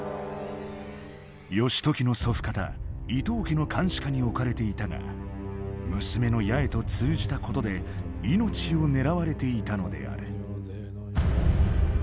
義時の祖父方伊東家の監視下に置かれていたが娘の八重と通じたことで命を狙われていたのである。